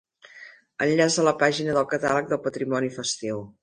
Enllaç a la pàgina del Catàleg del Patrimoni Festiu.